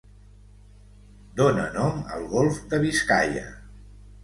Dóna nom al golf de Biscaia.